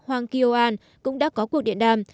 hoàng ki o an cũng đã có cuộc điện đàm